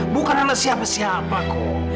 bukan anak siapa siapaku